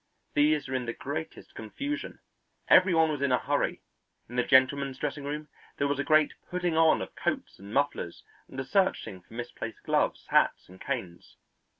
These were in the greatest confusion, every one was in a hurry; in the gentlemen's dressing room there was a great putting on of coats and mufflers and a searching for misplaced gloves, hats and canes.